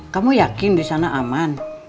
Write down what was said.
kamu yakin di sana aman